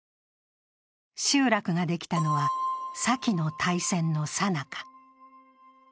集落ができたのはさきの大戦のさなか。